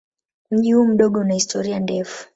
Mji huu mdogo una historia ndefu.